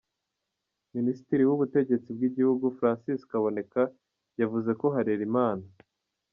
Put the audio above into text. Minisitiri w’Ubutegetsi bw’Igihugu, Francis Kaboneka, yavuze ko Harerimana.